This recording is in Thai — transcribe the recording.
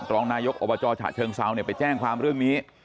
รองนายกอบจฉะเชิงเซาไปแจ้งความเรื่องนี้